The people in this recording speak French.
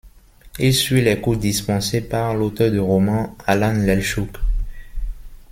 Il suit les cours dispensés par l’auteur de romans Alan Lelchuk.